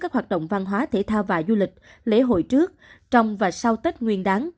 các hoạt động văn hóa thể thao và du lịch lễ hội trước trong và sau tết nguyên đáng